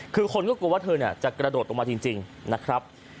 คือคนก็กลัวว่าเธอจะกระโดดลงมาจริงนะครับ